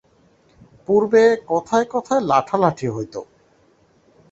পূর্বে কথায় কথায় লাঠালাঠি হইত।